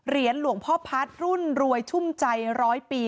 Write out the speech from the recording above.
เหรียญหลวงพ่อพัฒน์รุ่นรวยชุ่มใจ๑๐๐ปี